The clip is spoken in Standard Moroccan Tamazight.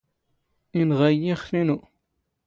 ⵉⵏⵖⴰ ⵉⵢⵉ ⵉⵅⴼ ⵉⵏⵓ.